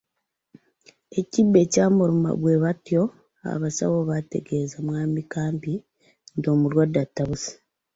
Ekimbe ky’amuluma bwe batyo abasawo baategeeza mwami Kampi nti omulwadde atabuse.